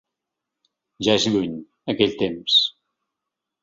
Ja és lluny, aquell temps.